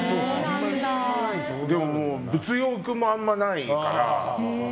でも物欲もあんまりないから。